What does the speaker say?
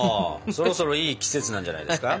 そろそろいい季節なんじゃないですか？